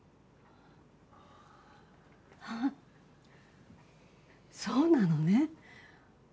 ああそうなのね。